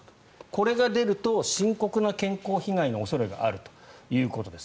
これが出ると深刻な健康被害の恐れがあるということです。